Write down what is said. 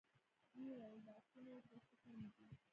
ويې ويل: د آسونو وربشې کمې دي.